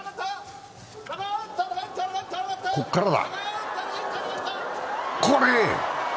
ここからだ。